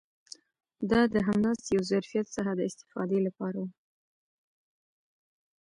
دا د همداسې یو ظرفیت څخه د استفادې لپاره و.